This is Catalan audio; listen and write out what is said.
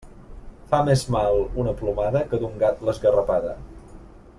Fa més mal una plomada, que d'un gat l'esgarrapada.